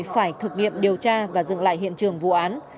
phải thực nghiệm điều tra và dựng lại hiện trường vụ án